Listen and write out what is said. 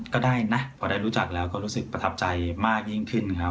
ก็ได้นะพอได้รู้จักแล้วก็รู้สึกประทับใจมากยิ่งขึ้นครับ